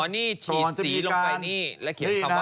อ๋อนี่ฉีดสีลงไปนี่และเขียนคำว่าโกง